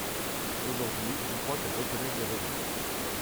Aujourd’hui, je crois qu’elle reconnaît que j’ai raison.